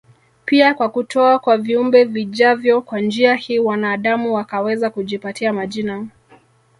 pia kwa kutoa kwa viumbe vijavyo Kwa njia hii wanaadamu wakaweza kujipatia majina